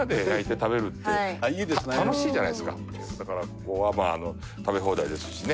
やっぱりだからここは食べ放題ですしね